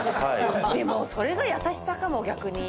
でもそれが優しさかも逆に。